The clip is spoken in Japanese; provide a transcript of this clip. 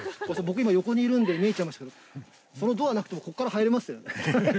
僕今横にいるんで見えちゃいますけどそのドアなくてもここから入れますね。